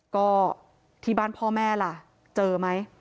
ก็ที่บ้านพ่อแม่ล่ะเจอไหม